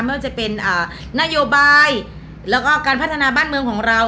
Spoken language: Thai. ไม่ว่าจะเป็นนโยบายแล้วก็การพัฒนาบ้านเมืองของเรา